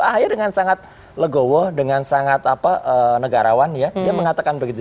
ahy dengan sangat legowo dengan sangat apa negarawan ya dia mengatakan begitu